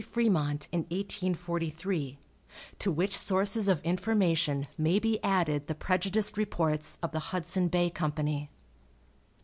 Fremont in 1843, to which sources of information may be added the prejudiced reports of the Hudson Bay Company.